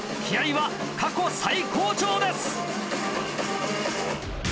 気合は過去最高潮です。